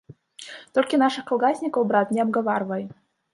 Толькі нашых калгаснікаў, брат, не абгаварвай.